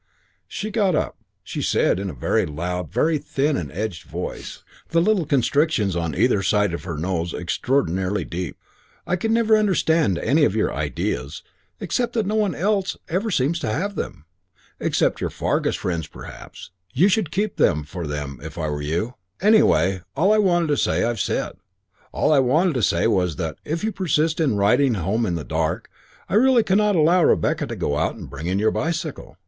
She got up. She said in a very loud, very thin and edged voice, the little constrictions on either side of her nose extraordinarily deep: "I never can understand any of your ideas, except that no one else ever seems to have them. Except your Fargus friends perhaps. I should keep them for them if I were you. Anyway, all I wanted to say I've said. All I wanted to say was that, if you persist in riding home in the dark, I really cannot allow Rebecca to go out and bring in your bicycle.